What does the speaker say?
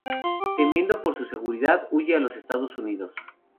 Temiendo por su seguridad, huye a los Estados Unidos.